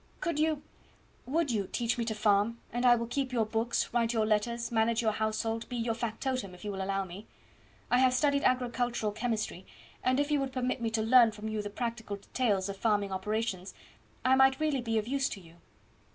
Could you, would you teach me to farm, and I will keep your books, write your letters, manage your household, be your factotum, if you will allow me. I have studied agricultural chemistry, and if you would permit me to learn from you the practical details of farming operations, I might really be of use to you."